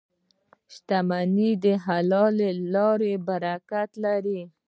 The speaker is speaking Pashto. • شتمني د حلالې لارې برکت لري.